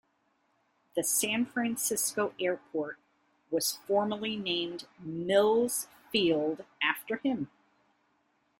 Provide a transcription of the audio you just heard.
The San Francisco airport, was formerly named Mills Field, after him.